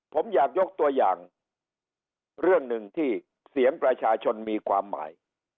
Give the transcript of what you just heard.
ผมอยากยกตัวอย่างเรื่องหนึ่งที่เสียงประชาชนมีความหมาย